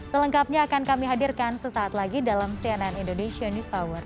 selengkapnya akan kami hadirkan sesaat lagi dalam cnn indonesia news hour